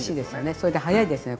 それで早いですよね。